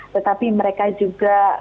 tetapi mereka juga